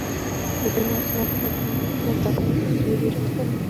د بیل نا مساوات د پټو متغیرو تیوري رد کړه.